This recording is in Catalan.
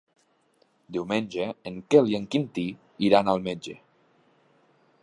Diumenge en Quel i en Quintí iran al metge.